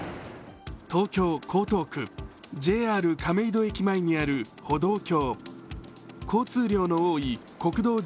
東京・江東区、ＪＲ亀戸駅前にある歩道橋。